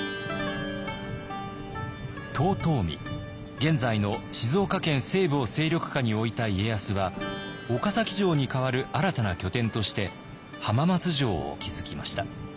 遠江現在の静岡県西部を勢力下に置いた家康は岡崎城に代わる新たな拠点として浜松城を築きました。